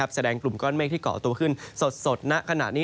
แสดงกลุ่มก้อนเมฆที่เกาะตัวขึ้นสดณขณะนี้